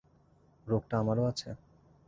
রোগটা আমারও আছে?